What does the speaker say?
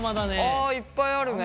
あいっぱいあるね。